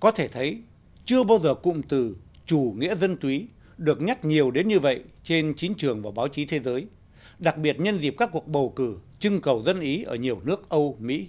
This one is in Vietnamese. có thể thấy chưa bao giờ cụm từ chủ nghĩa dân túy được nhắc nhiều đến như vậy trên chính trường và báo chí thế giới đặc biệt nhân dịp các cuộc bầu cử chưng cầu dân ý ở nhiều nước âu mỹ